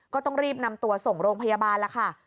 ก็ต้องรีบนำตัวส่งโรงพยาบาลแล้วค่ะ